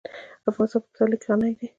افغانستان په پسرلی غني دی.